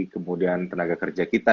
kemudian tenaga kerja kita